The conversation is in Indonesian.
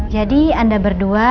jadi anda berdua gak ada masalah